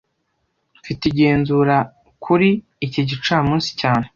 Mfite igenzura kuri iki gicamunsi cyane